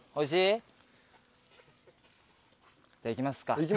じゃあ行きますか。